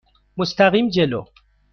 مستقیم جلو.